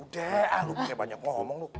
udah ah lu banyak banyak ngomong